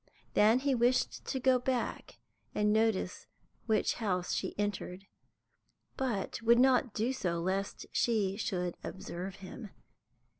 Then he wished to go back and notice which house she entered, but would not do so lest she should observe him.